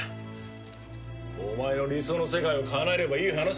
お前の理想の世界をかなえればいい話だろ。